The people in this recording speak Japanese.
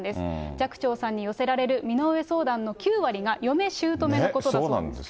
寂聴さんに寄せられる身の上相談の９割が嫁しゅうとめのことだそうです。